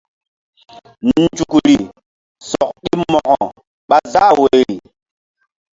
Nzukri sɔɓ ɗi Mo̧ko ɓa záh woyri.